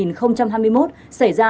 năm hai nghìn hai mươi một xảy ra